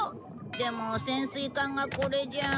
でも潜水艦がこれじゃあ。